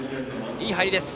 いい入りです。